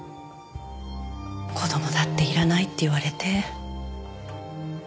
子供だっていらないって言われて。